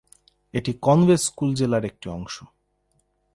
এটি Conway school জেলার একটি অংশ।